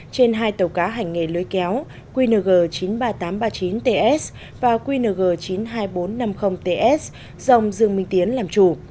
trên hai tàu cá hành nghề lưới kéo qng chín mươi ba nghìn tám trăm ba mươi chín ts và qng chín mươi hai nghìn bốn trăm năm mươi ts do ông dương minh tiến làm chủ